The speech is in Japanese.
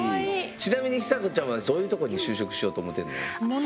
ちなみにひさこちゃんはどういうとこに就職しようと思ってんの？